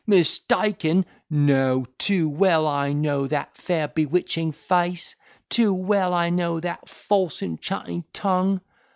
Mistaken! no, too well I know that fair bewitching face! too well I know that false enchanting tongue!